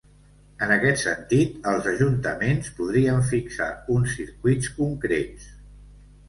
En aquest sentit, els ajuntaments podrien fixar uns circuits concrets.